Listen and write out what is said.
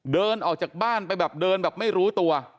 เดินออกจากบ้านไปแบบเดินแบบไม่รู้ตัว